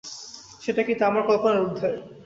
সেটা কী, তা আমার কল্পনার উর্ধ্বে।